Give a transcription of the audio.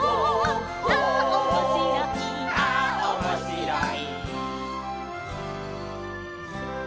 「ああおもしろい」